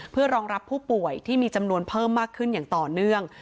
เพื่อรองรับผู้ป่วยที่มีจำนวนเพิ่มมากขึ้นอย่างต่อเนื่อง